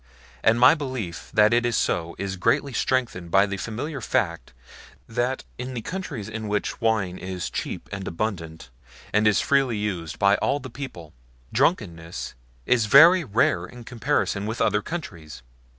And my belief that it is so is greatly strengthened by the familiar fact that in the countries in which wine is cheap and abundant, and is freely used by all the people, drunkenness is very rare in comparison with other countries.